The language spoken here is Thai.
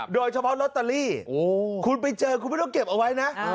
โดยเฉพาะลอตเตอรี่คุณไปเจอคุณไม่ต้องเก็บเอาไว้นะ